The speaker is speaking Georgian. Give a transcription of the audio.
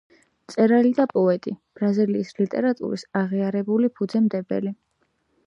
მწერალი და პოეტი, ბრაზილიის ლიტერატურის აღიარებული ფუძემდებელი.